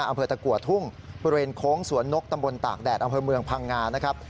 อำเภอตะกัวทุ่งบริเวณโค้งสวนนกตำบลตากแดดอำเภอเมืองพังงานะครับ